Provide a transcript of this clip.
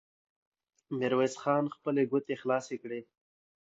ميرويس خان خپلې ګوتې خلاصې کړې.